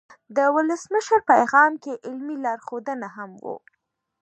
د ولسمشر پیغام کې علمي لارښودونه هم وو.